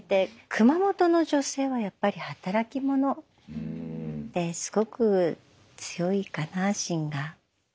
熊本の女性はやっぱり働き者。ですごく強いかなしんが。